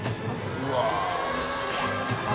うわ。